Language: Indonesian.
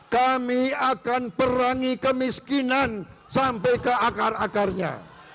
kami akan perangi kemiskinan sampai ke akar akarnya